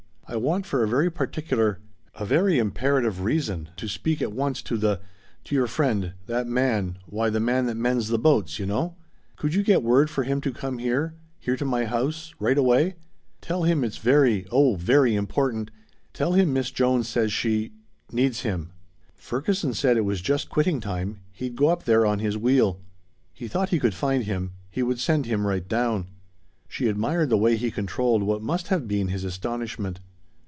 I want for a very particular a very imperative reason to speak at once to the to your friend that man why the man that mends the boats, you know. Could you get word for him to come here here, to my house right away? Tell him it's very oh very important. Tell him Miss Jones says she needs him." Ferguson said it was just quitting time. He'd go up there on his wheel. He thought he could find him. He would send him right down. She admired the way he controlled what must have been his astonishment.